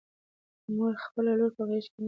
مور خپله لور په غېږ کې نیسي.